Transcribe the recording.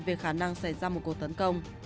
về khả năng xảy ra một cuộc tấn công